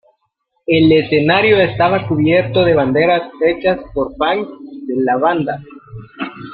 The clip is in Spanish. El escenario estaba cubierto de banderas hechas por fans de la banda.